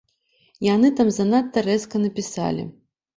Яны там занадта рэзка напісалі.